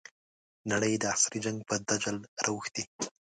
نړۍ د عصري جنګ په جدل رااوښتې.